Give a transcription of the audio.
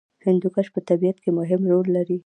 هندوکش په طبیعت کې مهم رول لري.